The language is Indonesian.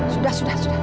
sudah sudah sudah